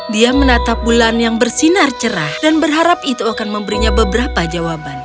dia menatap bulan yang bersinar cerah dan berharap itu akan memberinya beberapa jawaban